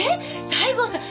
西郷さん